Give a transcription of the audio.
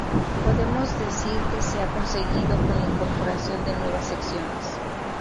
Podemos decir que se ha conseguido, con la incorporación de nuevas secciones.